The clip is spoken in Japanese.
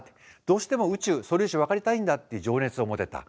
どうしても宇宙素粒子を分かりたいんだっていう情熱を持てた。